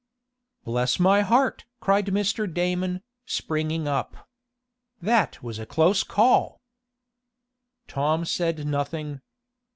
"Bless my heart!" cried Mr. Damon, springing up. "That was a close call!" Tom said nothing.